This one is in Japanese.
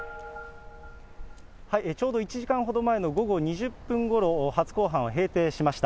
ちょうど１時間ほど前の午後２０分ごろ、初公判は閉廷しました。